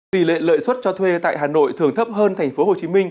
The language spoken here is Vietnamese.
tỷ lệ lợi xuất cho thuê tại hà nội thường thấp hơn tp hcm